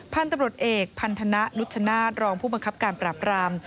พันธบรสเอกพันธนะนุชชนะรองผู้ประคับการปราบราม